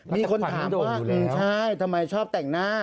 มีคนถามว่าใช่ทำไมชอบแต่งหน้า